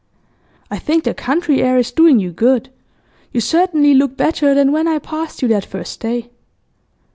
I think the country air is doing you good; you certainly look better than when I passed you that first day.